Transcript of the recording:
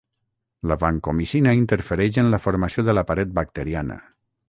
La vancomicina interfereix en la formació de la paret bacteriana.